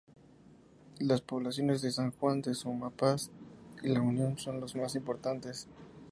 Las poblaciones de San Juan de Sumapaz y La Unión son los más importantes.